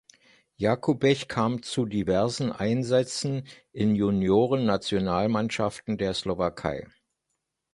Jakubech kam zu diversen Einsätzen in Juniorennationalmannschaften der Slowakei.